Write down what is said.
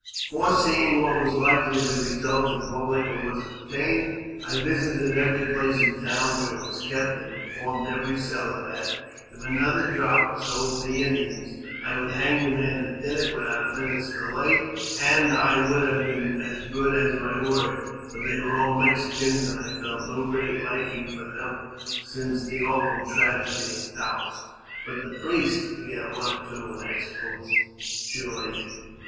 Foreseeing what was likely to result if more liquor was obtained, I visited every place in town where it was kept, andj informed every seller that, if another drop was sold to th( Indians, I would hang the man that did it without a minute' delay ; and I would have been as good as my word, for they] were all Mexicans, and I had felt no great liking for thei since the awful tragedy at Taos. " But the priest —" began one or two, in expostulation.